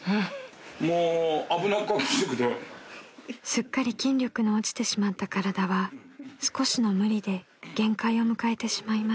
［すっかり筋力の落ちてしまった体は少しの無理で限界を迎えてしまいます］